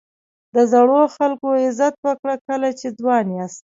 د زړو خلکو عزت وکړه کله چې ځوان یاست.